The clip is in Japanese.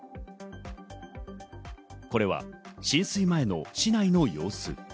これは浸水前の市内の様子。